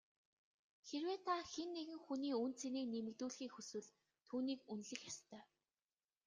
Хэрвээ та хэн нэгэн хүний үнэ цэнийг нэмэгдүүлэхийг хүсвэл түүнийг үнэлэх ёстой.